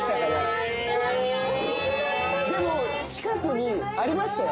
・へぇ・でも近くにありましたよ